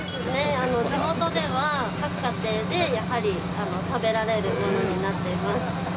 地元では各家庭でやはり食べられるものになっています。